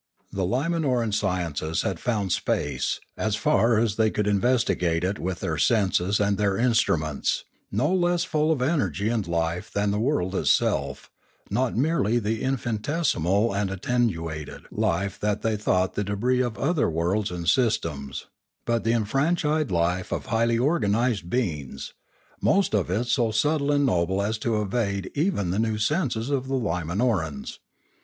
The Limanoran sciences had found space, as far as they could investigate it with their senses and their instruments, no less full of energy and life than the world itself, not merely the infinitesimal and attenuated life that they thought the debris of other worlds and systems, but the enfranchised life of highly organised beings, most of it so subtle and noble as to evade even the new senses of the Limanorans.